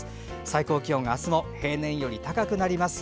最高気温はあすも平年より高くなります。